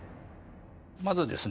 まずですね